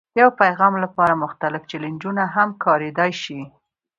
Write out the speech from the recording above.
د یو پیغام لپاره مختلف چینلونه هم کارېدای شي.